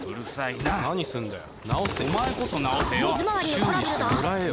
修理してもらえよ。